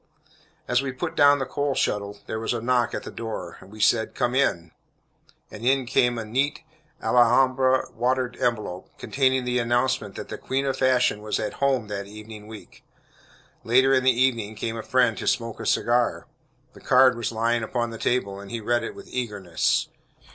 As we put down the coal scuttle, there was a knock at the door. We said, "come in," and in came a neat Alhambra watered envelope, containing the announcement that the queen of fashion was "at home" that evening week. Later in the evening, came a friend to smoke a cigar. The card was lying upon the table, and he read it with eagerness.